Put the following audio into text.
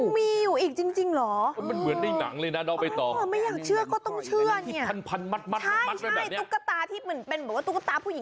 โปรดติดตามตอนต่อไป